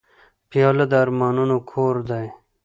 پیاله د ارمانونو کور دی.